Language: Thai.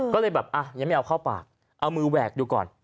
ก็เลยแบบอ่ะยังไม่เอาเข้าปากเอามือแหวกดูก่อน